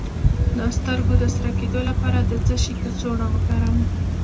د سترګو د سره کیدو لپاره د څه شي کڅوړه وکاروم؟